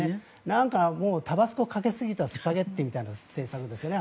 なんかタバスコかけすぎたスパゲティみたいな政策ですよね。